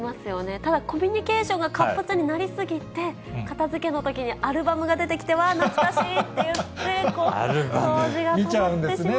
ただコミュニケーションが活発になり過ぎて、片づけのときに、アルバムが出てきて、わー、懐かしいって言って、掃除が止まってしまうんですよね。